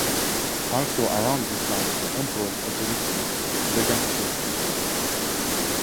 Also around this time, the Emperor's authority began to show its weakness.